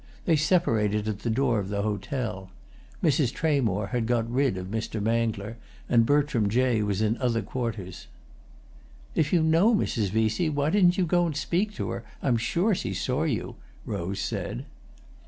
They separated at the door of the hotel. Mrs. Tramore had got rid of Mr. Mangler, and Bertram Jay was in other quarters. "If you know Mrs. Vesey, why didn't you go and speak to her? I'm sure she saw you," Rose said.